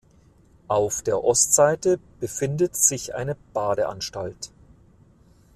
Auf der Ostseite befindet sich eine Badeanstalt.